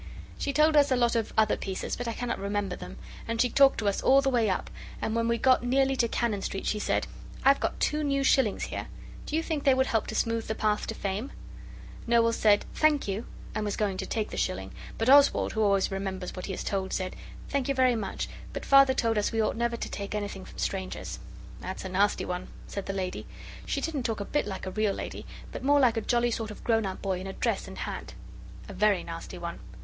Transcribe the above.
She told us a lot of other pieces but I cannot remember them, and she talked to us all the way up, and when we got nearly to Cannon Street she said 'I've got two new shillings here! Do you think they would help to smooth the path to Fame?' Noel said, 'Thank you,' and was going to take the shilling. But Oswald, who always remembers what he is told, said 'Thank you very much, but Father told us we ought never to take anything from strangers.' 'That's a nasty one,' said the lady she didn't talk a bit like a real lady, but more like a jolly sort of grown up boy in a dress and hat 'a very nasty one!